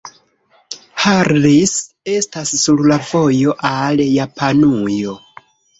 Harris estas sur la vojo al Japanujo.